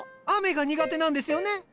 雨が苦手なんですよね。